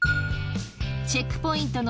チェックポイントの